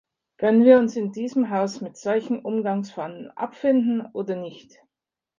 Können wir uns in diesem Haus mit solchen Umgangsformen abfinden oder nicht?